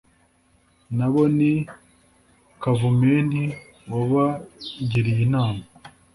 Nabo ni Kavumenti wabagiriye Inama